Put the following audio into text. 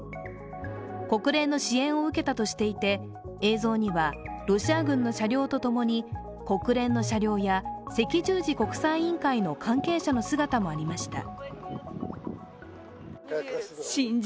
国連の支援を受けたとしていて映像にはロシア軍の車両と共に国連の車両や赤十字国際委員会の関係者の姿もありました。